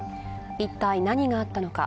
一体何があったのか。